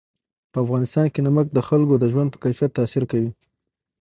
په افغانستان کې نمک د خلکو د ژوند په کیفیت تاثیر کوي.